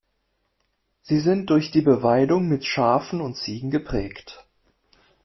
Sie sind durch die Beweidung mit Schafen und Ziegen geprägt.